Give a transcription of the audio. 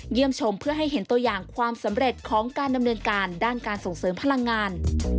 ชมเพื่อให้เห็นตัวอย่างความสำเร็จของการดำเนินการด้านการส่งเสริมพลังงาน